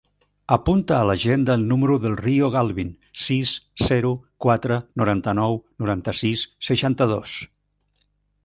Apunta a l'agenda el número del Rio Galvin: sis, zero, quatre, noranta-nou, noranta-sis, seixanta-dos.